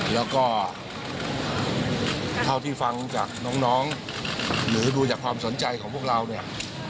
แล้วก็เท่าที่ฟังจากน้องหรือดูจากความสนใจของพวกเราเนี่ย